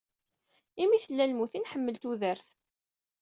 Imi tella lmut i nḥemmel tudert